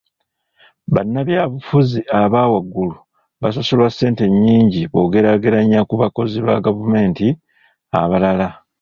Bannabyabufuzi aba waggulu basasulwa ssente nnyingi bw'ogeraageranya ku bakozi ba gavumenti abalala.